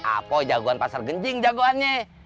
apa jagoan pasar genjing jagoannya